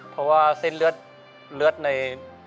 เพราะว่าเส้นเลือดใน